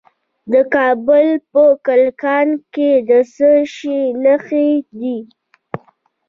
د کابل په کلکان کې د څه شي نښې دي؟